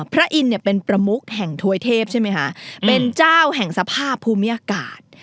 อินเนี่ยเป็นประมุกแห่งถวยเทพใช่ไหมคะเป็นเจ้าแห่งสภาพภูมิอากาศ